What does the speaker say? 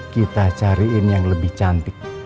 kita cariin yang lebih cantik